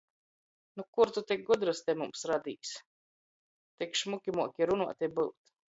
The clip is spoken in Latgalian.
Nu kur tu tik gudrys te mums radīs! Tik šmuki muoki runuot i byut!